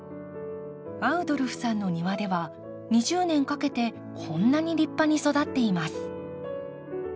アウドルフさんの庭では２０年かけてこんなに立派に育っています。